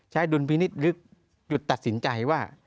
ใช้ดุลพินิตรึกหยุดตัดสินใจว่า